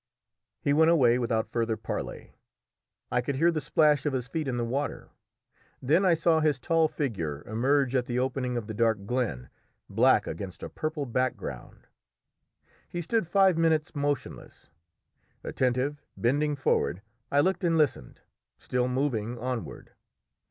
He went away without further parley. I could hear the splash of his feet in the water; then I saw his tall figure emerge at the opening of the dark glen, black against a purple background. He stood five minutes motionless. Attentive, bending forward, I looked and listened, still moving onward.